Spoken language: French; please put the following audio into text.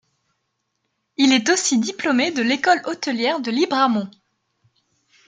Il est aussi diplômé de l'école hôtelière de Libramont.